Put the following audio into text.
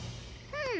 うん。